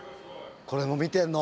これも見てんの！？